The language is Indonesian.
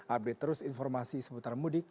update terus informasi seputar mudik